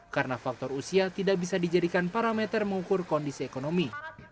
karena faktor usia tidak bisa dijadikan parameter mengukur kondisi ekonomi